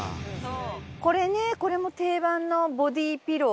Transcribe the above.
これね、これも定番のボディピロー。